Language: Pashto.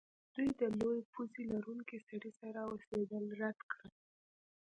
دوی د لویې پوزې لرونکي سړي سره اوسیدل رد کړل